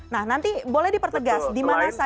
nah nanti boleh dipertegas di mana saja